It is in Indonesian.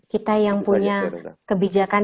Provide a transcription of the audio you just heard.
kita yang punya kebijakan